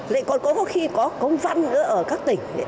vậy còn có khi có công văn ở các tỉnh